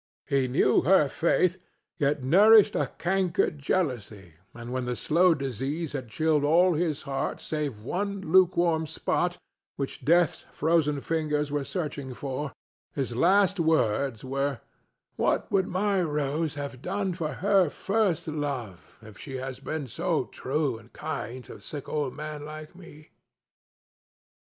He knew her faith, yet nourished a cankered jealousy; and when the slow disease had chilled all his heart save one lukewarm spot which Death's frozen fingers were searching for, his last words were, "What would my Rose have done for her first love, if she has been so true and kind to a sick old man like me?"